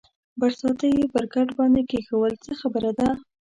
برساتۍ یې پر کټ باندې کېښوول، څه خبره ده؟